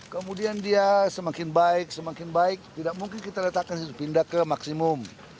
kemudian dia semakin baik semakin baik tidak mungkin kita letakkan pindah ke maksimum